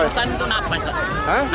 yang kita lakukan itu nafas